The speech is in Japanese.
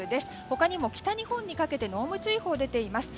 他にも北日本にかけて濃霧注意報が出ています。